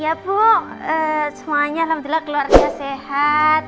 ya bu semuanya alhamdulillah keluarga sehat